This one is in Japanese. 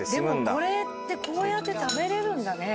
でもこれってこうやって食べれるんだね。